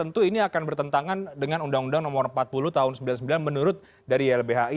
tentu ini akan bertentangan dengan undang undang nomor empat puluh tahun sembilan puluh sembilan menurut dari ylbhi